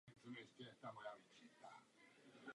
Mimo Turecko se prosadila zejména na Balkáně a v Řecku.